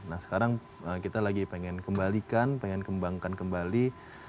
nah sekarang kita lagi pengen kembalikan pengen kembangkan kembali